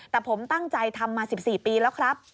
แต่ผมตั้งใจทำมา๑๔ปีแล้วครับ